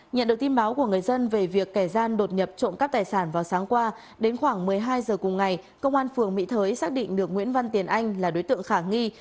nhận được tin báo của người dân về việc kẻ gian đột nhập trộm cắp tài sản vào sáng qua đến khoảng một mươi hai giờ cùng ngày công an phường mỹ thới xác định được nguyễn văn tiền anh là đối tượng khả nghi